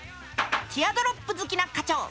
ティアドロップ好きな課長。